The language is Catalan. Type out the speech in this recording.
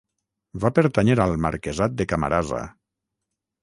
Va pertànyer al marquesat de Camarasa.